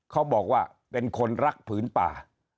เขาบอกว่าเป็นคนรักผืนป่า